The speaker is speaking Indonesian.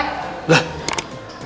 kok gue sih dia